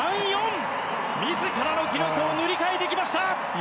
自らの記録を塗り替えてきました。